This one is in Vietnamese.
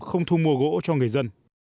không thu mua gỗ cho người dân